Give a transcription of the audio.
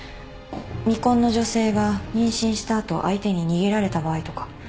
未婚の女性が妊娠した後相手に逃げられた場合とか。